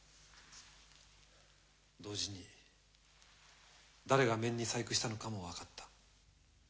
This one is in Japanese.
同時に誰が面に細工したのかもわかった。